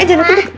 eh jangan duduk